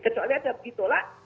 kecuali ada yang ditolak